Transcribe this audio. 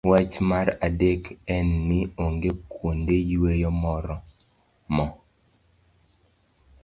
Wach mar adek en ni, onge kuonde yweyo moromo.